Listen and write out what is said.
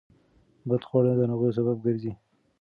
بدخواړه د ناروغیو سبب ګرځي.